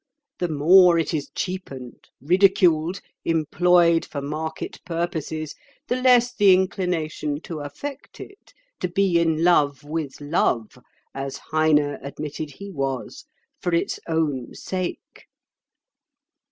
The more it is cheapened, ridiculed, employed for market purposes, the less the inclination to affect it—to be in love with love, as Heine admitted he was, for its own sake."